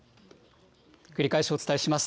繰り返しお伝えします。